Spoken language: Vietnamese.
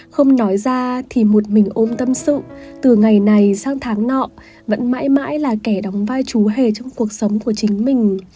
không nói ra thì một mình ôm tâm sự từ ngày này sang tháng nọ vẫn mãi mãi là kẻ đóng vai chú hề trong cuộc sống của chính mình